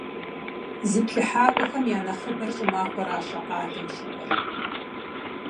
Зыплъыхьакӏуэхэм я нэхъыбэр щӀымахуэращ а къалэм щыкӀуэр.